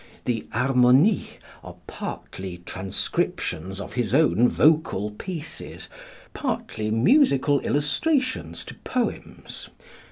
The "Harmonies" are partly transcriptions of his own vocal pieces, partly musical illustrations to poems.